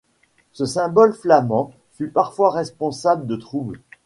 Ce symbole flamand fut parfois responsable de troubles.